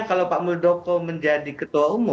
kalau pak muldoko menjadi ketua umum